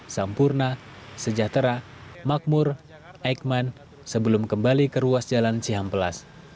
sampurna sejahtera makmur eikman sebelum kembali ke ruas jalan cihampelas